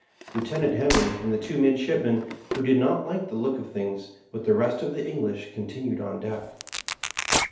Lieutenant Hemming and the two midshipmen, who did not like the look of things, with the rest of the English, continued on deck.